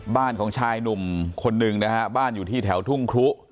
บ้านของชายหนุ่มคนหนึ่งนะฮะบ้านอยู่ที่แถวทุ่งครุ